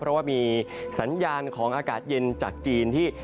เพราะว่ามีสัญญาณของอากาศเย็นจากจีนที่